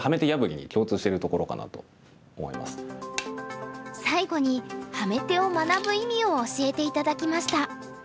最後にハメ手を学ぶ意味を教えて頂きました。